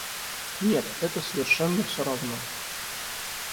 Нет, это совершенно все равно.